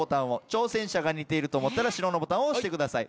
挑戦者が似てると思ったら白のボタンを押してください。